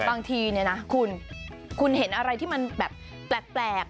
บางทีเนี่ยนะคุณคุณเห็นอะไรที่มันแบบแปลก